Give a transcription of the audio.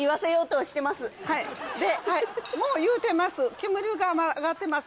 もう言うてます